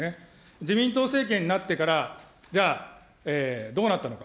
自民党政権になってから、じゃあ、どうなったのか。